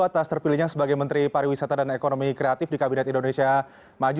atas terpilihnya sebagai menteri pariwisata dan ekonomi kreatif di kabinet indonesia maju